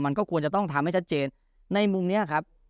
มันก็ควรจะต้องทำให้ชัดเจนในมุมนี้ครับ